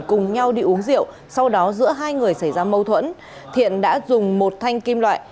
cùng nhau đi uống rượu sau đó giữa hai người xảy ra mâu thuẫn thiện đã dùng một thanh kim loại